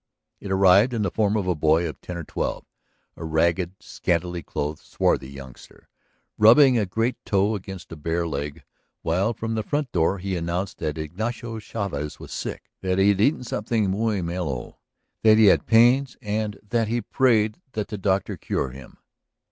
It arrived in the form of a boy of ten or twelve, a ragged, scantily clothed, swarthy youngster, rubbing a great toe against a bare leg while from the front door he announced that Ignacio Chavez was sick, that he had eaten something muy malo, that he had pains and that he prayed that the doctor cure him.